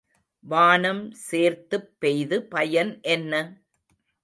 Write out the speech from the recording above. வானம் சேர்த்துப் பெய்து பயன் என்ன?